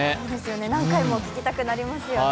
何回も聴きたくなりますよね。